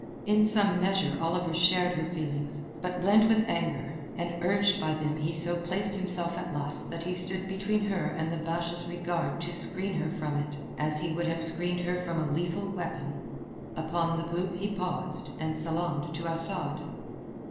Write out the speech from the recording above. In some measure Oliver shared her feelings, but blent with anger; and urged by them he so placed himself at last that he stood between her and the Basha's regard to screen her from it as he would have screened her from a lethal weapon. Upon the poop he paused, and salaamed to Asad.